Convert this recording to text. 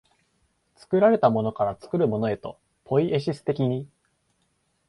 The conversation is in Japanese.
作られたものから作るものへと、ポイエシス的に、